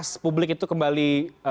ras publik itu kembali